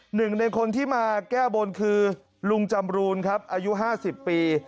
หนึ่งในคนที่มาแก้บนคือลุงจำรูนครับอายุ๕๐ปี